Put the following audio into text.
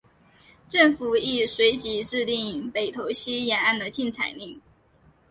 政府亦随即制定北投溪沿岸的禁采令。